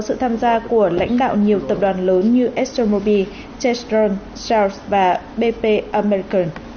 sự tham gia của lãnh đạo nhiều tập đoàn lớn như estermobile testron charles và bp american